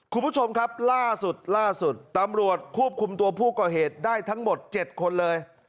คุณผู้ชมครับล่าสุดล่าสุดตำรวจควบคุมตัวผู้ก่อเหตุได้ทั้งหมด๗คนเลย